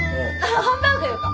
ハンバーグがよか！